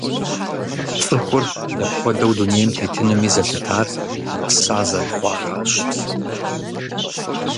ЦӀыхур дапхуэдэу дунейм тетынуми зэлъытар гъэса зэрыхъуаращ.